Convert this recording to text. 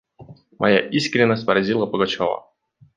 Моя искренность поразила Пугачева.